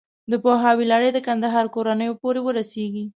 د پوهاوي لړۍ د کندهار کورنیو پورې ورسېږي.